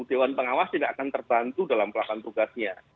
dewan pengawas tidak akan terbantu dalam pelaksana tugasnya